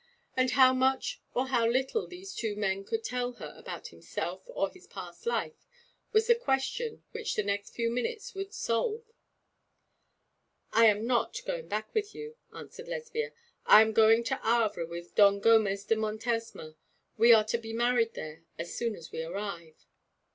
And how much or how little these two men could tell her about himself or his past life was the question which the next few minutes would solve. 'I am not going back with you,' answered Lesbia. 'I am going to Havre with Don Gomez de Montesma. We are to be married there as soon as we arrive.'